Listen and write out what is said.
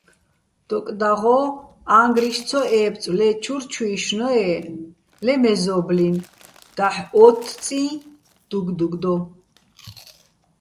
დოკ დაღო́, ა́ჼგრიშ ცო ებწო̆ ლე ჩურჩუჲშნო-ე́ ლე მეზო́ბლინ, დაჰ̦ო́თთწიჼ დუგდუგ დო.